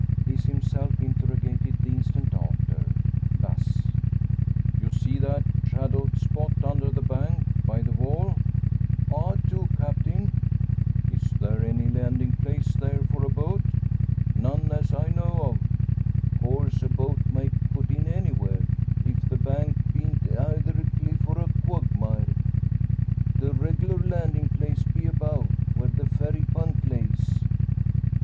He is himself interrogated the instant after thus: "You see that shadowed spot under the bank by the wall?" "I do, Captain." "Is there any landing place there for a boat?" "None, as I know of. Course a boat may put in anywhere, if the bank beant eyther a cliff or a quagmire. The reg'lar landin' place be above where the ferry punt lays."